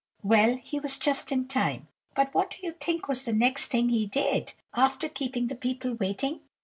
"Well! he was just in time; but what do you think was the next thing he did, after keeping the people waiting?